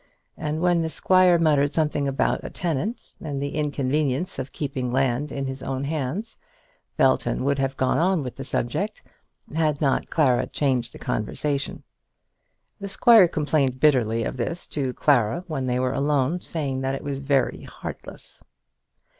And when the squire muttered something about a tenant, and the inconvenience of keeping land in his own hands, Belton would have gone on with the subject had not Clara changed the conversation. The squire complained bitterly of this to Clara when they were alone, saying that it was very heartless.